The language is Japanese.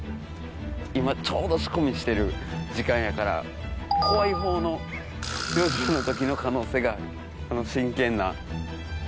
今ちょうど仕込みしてる時間やから怖い方の表情の時の可能性があの真剣な。